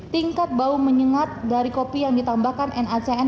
tingkat bau menyengat dari kopi yang ditambahkan nacn